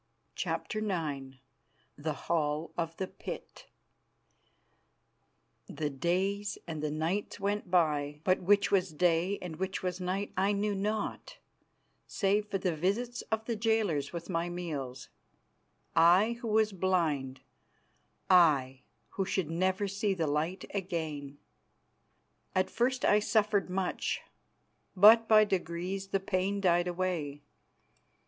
CHAPTER IX THE HALL OF THE PIT The days and the nights went by, but which was day and which was night I knew not, save for the visits of the jailers with my meals I who was blind, I who should never see the light again. At first I suffered much, but by degrees the pain died away.